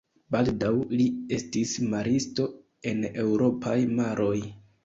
Baldaŭ li estis maristo en eŭropaj maroj.